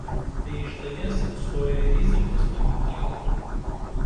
Tai iš dalies atstoja rizikos kapitalą.